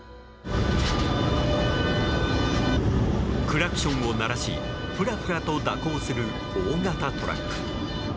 クラクションを鳴らしふらふらと蛇行する大型トラック。